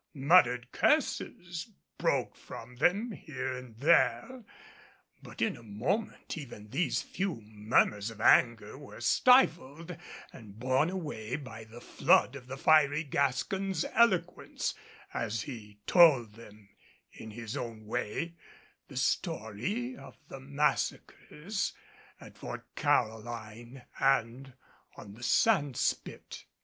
Muttered curses broke from them here and there. But in a moment even these few murmurs of anger were stifled and borne away by the flood of the fiery Gascon's eloquence, as he told them in his own way the story of the massacres at Fort Caroline and on the sand spit.